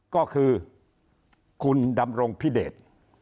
ก็คือคุณดำรงพิเดช